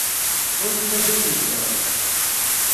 Ur t-mazal yezdeɣ da.